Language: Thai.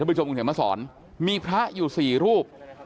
ถ้าประสบคุณเหไงมาสอนมีพระอยู่สี่รูป